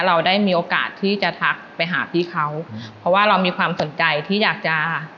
เราได้มีโอกาสที่จะทักไปหาพี่เขาเพราะว่าเรามีความสนใจที่อยากจะ